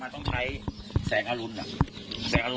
ต้องใช้แสงอรุณ